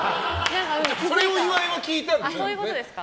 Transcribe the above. それを岩井も聞いたんですよね。